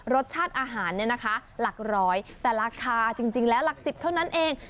รสชาติอาหารเนี่ยนะคะหลักร้อยแต่ราคาจริงแล้วหลัก๑๐เท่านั้นเอง